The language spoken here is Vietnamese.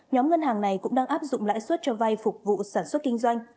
nhóm ngân hàng này cũng đang áp dụng lãi suất cho vay phục vụ sản xuất kinh doanh